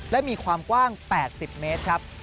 และมีความกว้าง๘๐เมตรครับ